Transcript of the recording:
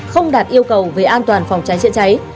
không đạt yêu cầu về an toàn phòng cháy chữa cháy